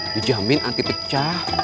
dijamin anti pecah